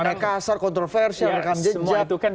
peranai kasar kontroversial rekan jejak